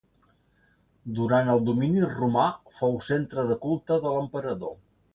Durant el domini romà, fou centre de culte de l'emperador.